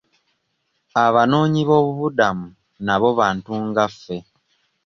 Abanoonyibobubudamu nabo bantu nga ffe.